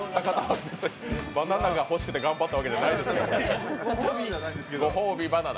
バナナが欲しくて頑張ったわけじゃないですけど、ご褒美バナナ。